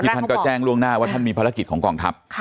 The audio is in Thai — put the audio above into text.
ท่านก็แจ้งล่วงหน้าว่าท่านมีภารกิจของกองทัพ